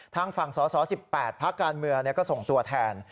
ทางฝั่งสส๑๘พักการเมืองก็ส่งตัวแทน